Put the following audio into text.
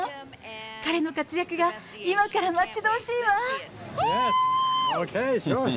彼の活躍が今から待ち遠しいわ。